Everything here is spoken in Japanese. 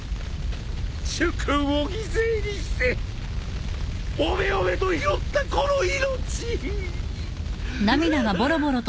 主君を犠牲にしておめおめと拾ったこの命。